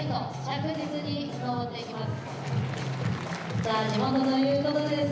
さあ地元ということでですね